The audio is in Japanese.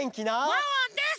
「ワンワンです！」